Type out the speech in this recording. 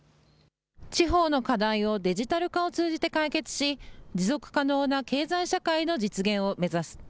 地方の課題をデジタル化を通じて解決し、持続可能な経済社会の実現を目指す。